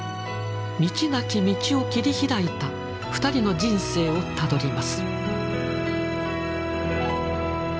道なき道を切り開いた２人の人生をたどります。